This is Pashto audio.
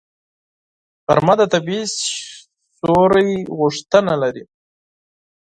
غرمه د طبیعي سیوري غوښتنه لري